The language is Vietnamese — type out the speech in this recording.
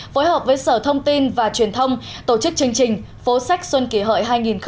phối hợp với sở thông tin và truyền thông tổ chức chương trình phố sách xuân kỷ hợi hai nghìn một mươi chín